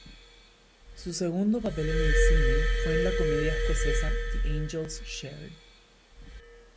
Su segundo papel en el cine fue en la comedia escocesa "The Angels' Share".